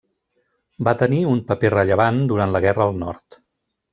Va tenir un paper rellevant durant la guerra al Nord.